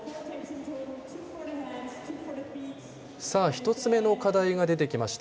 １つ目の課題が出てきました。